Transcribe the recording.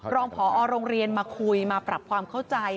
รองพอโรงเรียนมาคุยมาปรับความเข้าใจ